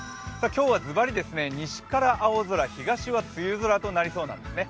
今日はズバリ、西は青空、東は梅雨空となりそうなんですね。